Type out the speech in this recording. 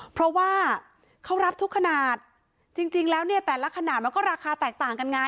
เพราะว่าเขารับทุกขนาดจริงแล้วเนี่ยแต่ละขนาดมันก็ราคาแตกต่างกันไง